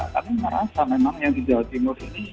kami merasa memang yang di jawa timur ini